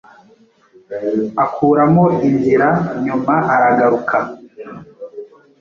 akuramo inzira nyuma aragaruka